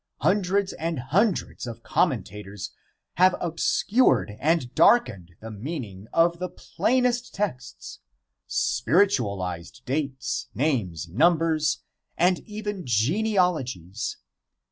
Hundreds and hundreds of commentators have obscured and darkened the meaning of the plainest texts, spiritualized dates, names, numbers and even genealogies.